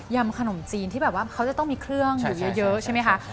ขนมจีนที่แบบว่าเขาจะต้องมีเครื่องอยู่เยอะใช่ไหมคะ